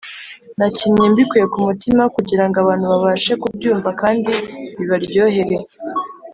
nakinnye mbikuye ku mutima kugira ngo abantu babashe kubyumva kandi bibaryohere